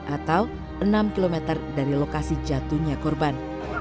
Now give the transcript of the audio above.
atau enam km dari lokasi jatuhnya korban